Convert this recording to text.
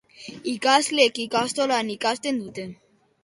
Ikasleek ikastolan ikasten dute.